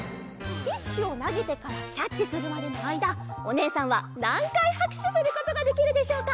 ティッシュをなげてからキャッチするまでのあいだおねえさんはなんかいはくしゅすることができるでしょうか？